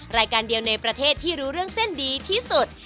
รายการเดียวในประเทศที่รู้เรื่องเส้นดีที่สุด